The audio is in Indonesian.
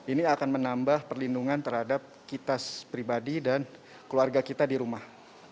ini akan menambah perlindungan terhadap kita pribadi dan keluarga kita di rumah